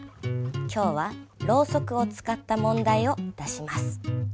今日はロウソクを使った問題を出します。